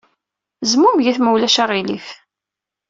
Zmumgemt, ma ulac aɣilif.